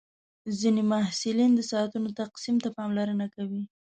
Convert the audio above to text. ځینې محصلین د ساعتونو تقسیم ته پاملرنه کوي.